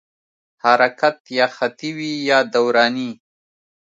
حرکت یا خطي وي یا دوراني.